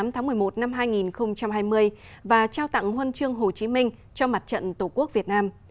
một mươi tháng một mươi một năm hai nghìn hai mươi và trao tặng huân chương hồ chí minh cho mặt trận tổ quốc việt nam